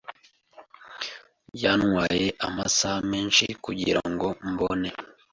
Byantwaye amasaha menshi kugirango mbone.